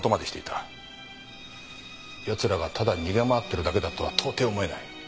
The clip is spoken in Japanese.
奴らがただ逃げ回っているだけだとは到底思えない。